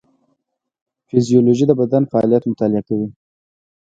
فیزیولوژي د بدن فعالیت مطالعه کوي